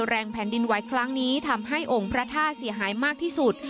แรงแผ่นดินไหวครั้งนี้ทำให้องค์พระธาตุเสียหายมากที่สุด